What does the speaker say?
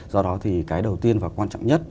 do đó thì cái đầu tiên và quan trọng nhất